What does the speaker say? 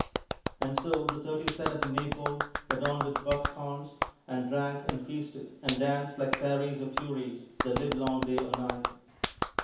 And so the thirty set up a Maypole, adorned with bucks' horns, and drank and feasted, and danced like fairies or furies, the livelong day or night.